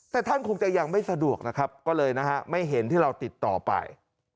แต่ท่านคงจะยังไม่สะดวกนะครับก็เลยนะฮะไม่เห็นที่เราติดต่อไป